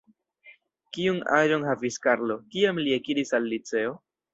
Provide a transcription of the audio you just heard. Kiun aĝon havis Karlo, kiam li ekiris al liceo?